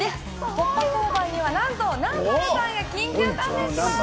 突破交番には南原さんが緊急参戦します。